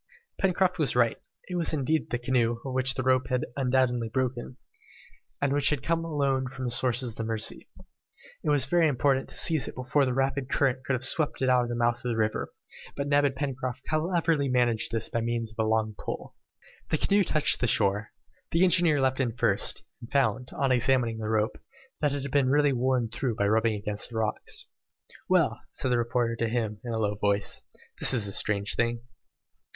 Pencroft was right. It was indeed the canoe, of which the rope had undoubtedly broken, and which had come alone from the sources of the Mercy. It was very important to seize it before the rapid current should have swept it away out of the mouth of the river, but Neb and Pencroft cleverly managed this by means of a long pole. The canoe touched the shore. The engineer leapt in first, and found, on examining the rope, that it had been really worn through by rubbing against the rocks. "Well," said the reporter to him, in a low voice, "this is a strange thing."